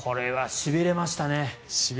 しびれましたね。